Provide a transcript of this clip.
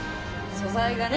素材がね。